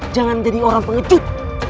jangan jadi orang pengecut